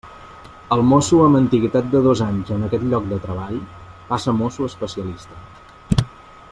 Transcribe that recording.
El mosso amb antiguitat de dos anys en aquest lloc de treball passa a mosso especialista.